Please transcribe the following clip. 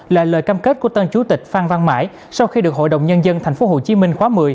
là lời cam kết của tân chủ tịch phan văn mãi sau khi được hội đồng nhân dân tp hcm khóa một mươi